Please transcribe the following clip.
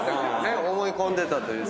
思い込んでたという。